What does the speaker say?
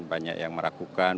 banyak yang merakukan